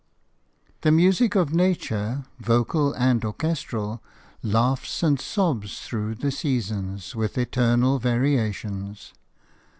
THE music of nature, vocal and orchestral, laughs and sobs through the seasons with eternal variations.